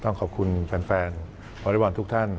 ต้องขอบคุณแฟนบริวาร์ทุกท่าน